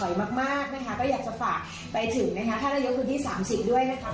ก็อยากจะฝากไปถึงนะฮะธนยกคือที่๓๐ด้วยนะครับ